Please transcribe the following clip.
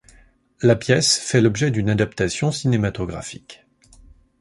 La pièce fait l'objet d'une adaptation cinématographique.